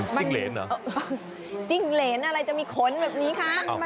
จิ้งเหรนเหรอจิ้งเหรนอะไรจะมีขนแบบนี้คะ